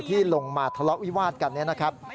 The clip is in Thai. ที่ลงมาทะเลาะวิวาดกันเนี่ยนะครับ